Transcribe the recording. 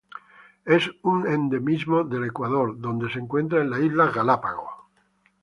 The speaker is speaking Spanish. Es un endemismo de Ecuador donde se encuentra en las Islas Galápagos.